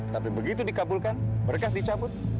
tapi begitu dikabulkan berkas dicabut